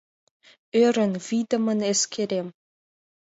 Ӧрын, вийдымын эскерем.